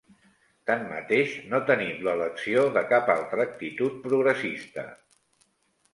Tanmateix no tenim l'elecció de cap altra actitud progressista.